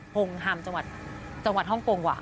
ฮงฮัมจังหวัดจังหวัดฮ่องกงว่ะ